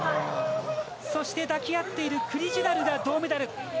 そして、抱き合っているクリジュナルが銅メダル。